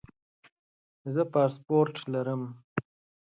زه پاسپورټ لرم